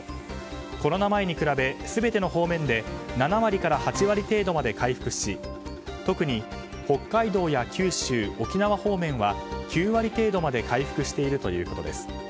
コロナ前に比べ全ての方面で７割から８割程度まで回復し特に北海道や九州、沖縄方面は９割程度まで回復しているということです。